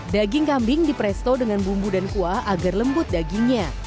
daging kambing dipresto dengan bumbu dan kuah agar lembut dagingnya